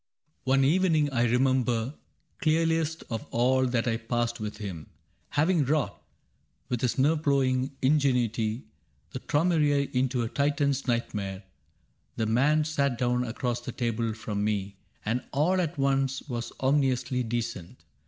" One evening I remember clearliest Of all that I passed with him. Having wrought. With his nerve ploughing ingenuity. The Traumerei into a Titan's nightmare. The man sat down across the table from me And all at once was ominously decent.